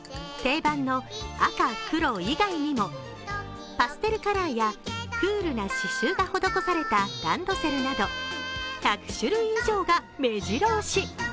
定番の赤・黒以外にもパステルカラーやクールな刺しゅうが施されたランドセルなど１００種類以上がめじろ押し。